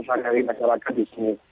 seanggari masyarakat disini